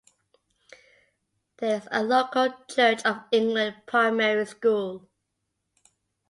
There is a local Church of England primary school.